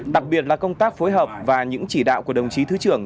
đặc biệt là công tác phối hợp và những chỉ đạo của đồng chí thứ trưởng